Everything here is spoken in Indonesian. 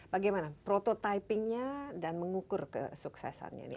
bagaimana prototypingnya dan mengukur kesuksesannya ini